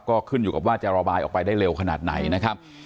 ก็ขึ้นอยู่กับว่าจะระบายออกไปได้เร็วขนาดไหนนะครับ